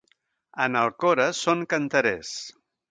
En Alcora són canterers.